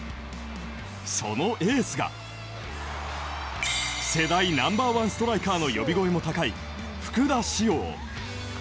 そのエースが世代ナンバー１ストライカーの呼び声高い福田師王。